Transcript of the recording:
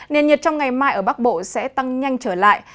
nền nhiệt trong ngày mai ở bắc bộ sẽ tăng nhanh trở lại